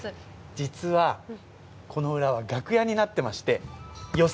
実はこの裏は楽屋になってまして。